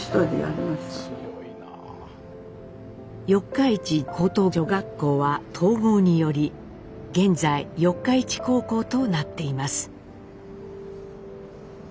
四日市高等女学校は統合により現在四日市高校となっています。